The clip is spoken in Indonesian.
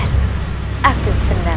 jangan lupa untuk berlangganan